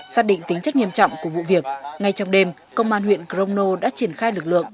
xác định tính chất nghiêm trọng của vụ việc ngay trong đêm công an huyện crono đã triển khai lực lượng